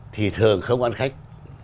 thì thường không ăn khách